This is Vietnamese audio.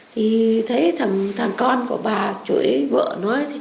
thì thấy thằng con của bà chửi vợ nó